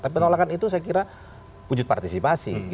tapi penolakan itu saya kira wujud partisipasi